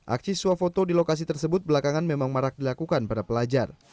aksi swafoto di lokasi tersebut belakangan memang marak dilakukan pada pelajar